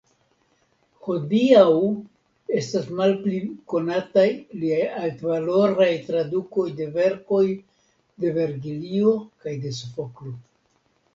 Hodiaŭ estas malpli konataj liaj altvaloraj tradukoj de verkoj de Vergilio kaj de Sofoklo.